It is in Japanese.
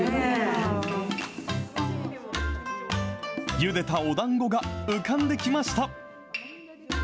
ゆでたおだんごが浮かんできました。